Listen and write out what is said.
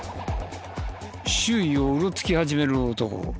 周囲をうろつき始める男。